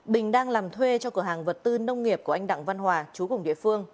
bình đang làm thuê cho cửa hàng vật tư nông nghiệp của anh đặng văn hòa chú cùng địa phương